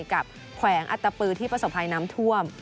แขวงอัตตปือที่ประสบภัยน้ำท่วม